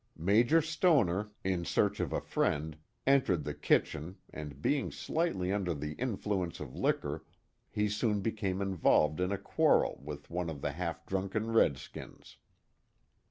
Major Stoner, in search of a friend, entered the kitchen, and being slightly under the influence of liquor he soon became involved in a quarrel with one of the half drunken Red Skins.